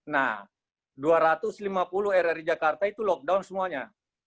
nah dua ratus lima puluh rri jakarta itu lockdown semuanya